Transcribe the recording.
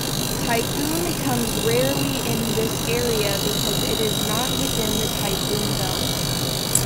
Typhoon comes rarely in this area because it is not within the typhoon belt.